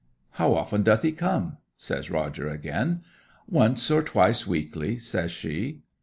'How often doth he come?' says Roger again. 'Once or twice weekly,' says she.